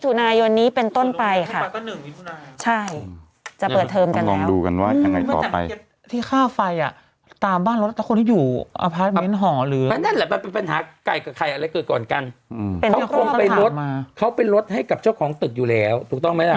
อันนั้นคือพอเป็นเดี๋ยวนี่อือพอเวลาเขาลด